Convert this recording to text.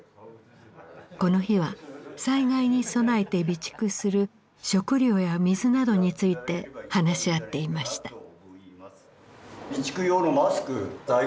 この日は災害に備えて備蓄する食料や水などについて話し合っていました。